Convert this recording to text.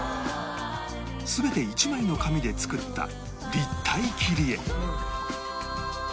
全て１枚の紙で作った立体切り絵